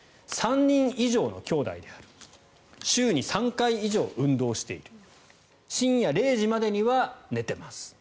３人以上のきょうだいである週に３回以上運動している深夜０時までには寝ています。